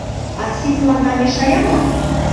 Арси тыланда мешая мо?